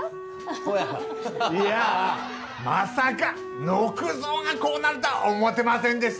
ほやまさかのく蔵がこうなるとは思ってませんでした